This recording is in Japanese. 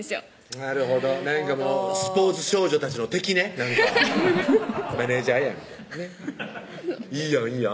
なるほどスポーツ少女たちの敵ね「マネージャーやん」みたいなねいいやん